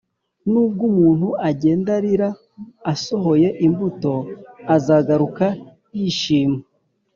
nubwo umuntu agenda arira asohoye imbuto, azagaruka yishima